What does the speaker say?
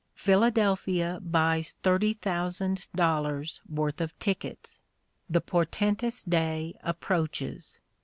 Philadelphia buys thirty thousand dollars worth of tickets. The portentous day approaches.